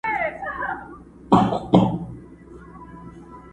په یوه جوال کي رېګ بل کي غنم وي،